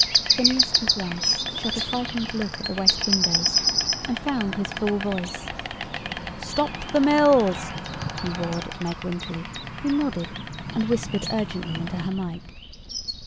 Phineas T. Gryce shot a frightened look at the west windows and found his full voice. "Stop the mills!" he roared at Meg Winterly, who nodded and whispered urgently into her mike.